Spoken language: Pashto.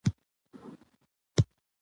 سیاسي ثبات د سولې نتیجه ده